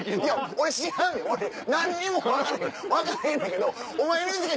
俺知らんねん何にも分かれへん分かれへんねんけどお前ＮＧＫ